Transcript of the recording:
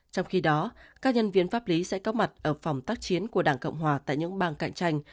trong khi đó các nhân viên pháp lý sẽ có mặt ở phòng tác chiến của đảng cộng hòa tại những bang cạnh tranh